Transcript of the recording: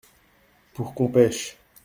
Pour qu’on pêche.